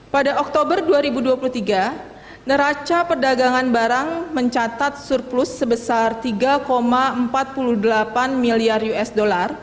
pada oktober dua ribu dua puluh tiga neraca perdagangan barang mencatat surplus sebesar tiga empat puluh delapan miliar usd